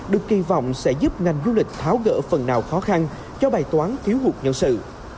được kỳ vọng sẽ giúp ngành du lịch tháo gỡ phần nào khó khăn cho bài toán thiếu hụt nhân sự